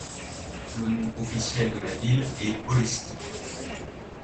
Le nom officiel de la ville est Aulesti.